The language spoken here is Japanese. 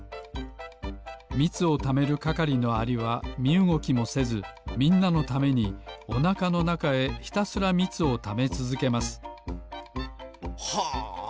みつをためるかかりのアリはみうごきもせずみんなのためにおなかのなかへひたすらみつをためつづけますはあ！